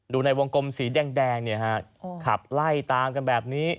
ดูในวงกลมสีแดงขับไล่ตามกันแบบนี้